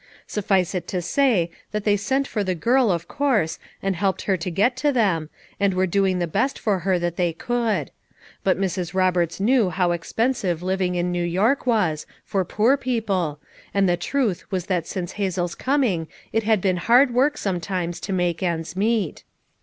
Suffice it to say that they sent for the girl, of course, and helped her to get to them, and were doing the best for her that they could ; but Mrs. Rob erts knew how expensive living in New York was, for poor people, and the truth was that since Hazel's coming it had been hard work sometimes to make ends meet.